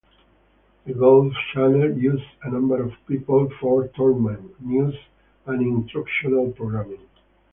The Golf Channel uses a number of people for tournament, news and instructional programming.